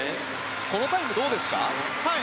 このタイム、どうですか？